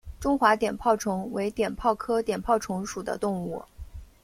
中华碘泡虫为碘泡科碘泡虫属的动物。